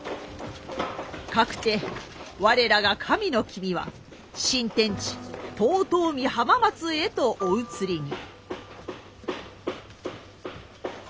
かくて我らが神の君は新天地遠江・浜松へとお移りに。